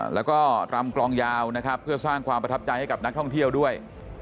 แล้วก็รำกลองยาวนะครับเพื่อสร้างความประทับใจให้กับนักท่องเที่ยวด้วย